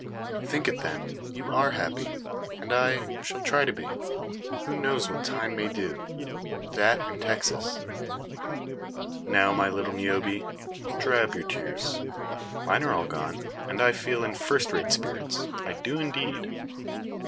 "Think it, then. You are happy, and I shall try to be. Who knows what time may do that and Texas? Now, my little Niobe, dry up your tears. Mine are all gone, and I feel in first rate spirits. I do indeed."